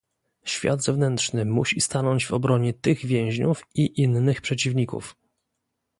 Świat zewnętrzny musi stanąć w obronie tych więźniów i innych przeciwników